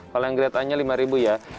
kalau yang grade a nya lima ribu ya